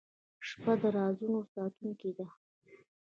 • شپه د رازونو ساتونکې ده.